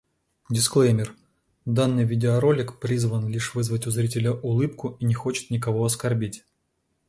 Дисклеймер! Данный видеоролик призван лишь вызвать у зрителя улыбку и не хочет никого оскорбить.